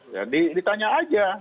jadi ditanya aja